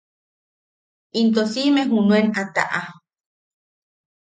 Into siʼime junen a taʼa.